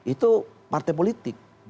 itu partai politik